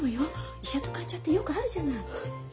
医者と患者ってよくあるじゃない。